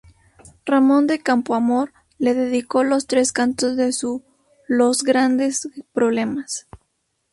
Ramón de Campoamor le dedicó los tres cantos de su "Los grandes problemas".